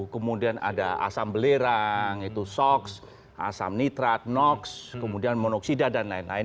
kemudian ada asam belerang itu sox asam nitrat nox kemudian monoksida dan lain lain